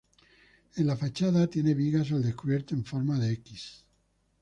En la fachada tiene vigas al descubierto en forma de equis.